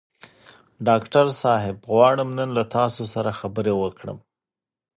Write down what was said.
ډاکټر صاحب غواړم نن له تاسو سره خبرې وکړم.